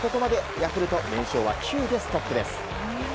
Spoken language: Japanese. ヤクルト連勝は９でストップです。